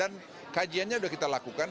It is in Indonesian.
dan kajiannya udah kita lakukan